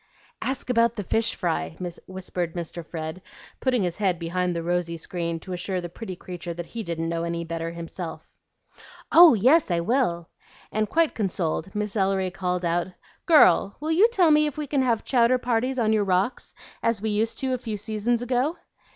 "Ask about the fish fry," whispered Mr. Fred, putting his head behind the rosy screen to assure the pretty creature that he didn't know any better himself. "Oh yes, I will!" and, quite consoled, Miss Ellery called out, "Girl, will you tell me if we can have chowder parties on your rocks as we used to a few seasons ago?"